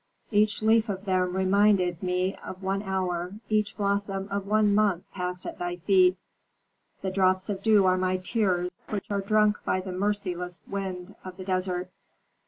Each leaf of them reminded me of one hour, each blossom of one month passed at thy feet. The drops of dew are my tears, which are drunk by the merciless wind of the desert.